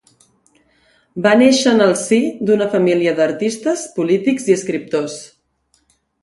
Va néixer en el si d'una família d'artistes, polítics i escriptors.